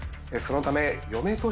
そのため。